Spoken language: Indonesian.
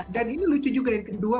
dan ini lucu juga yang kedua